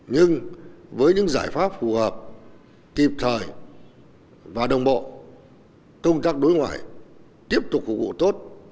nhưng với những giải pháp phù hợp kịp thời và đồng bộ công tác đối ngoại tiếp tục phục vụ tốt